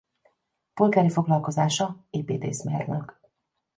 Polgári foglalkozása építészmérnök.